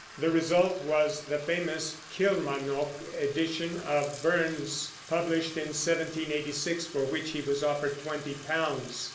The result was the famous Kilmarnock edition of Burns, published in 1786, for which he was offered twenty pounds.